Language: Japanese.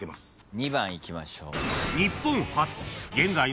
２番いきましょう。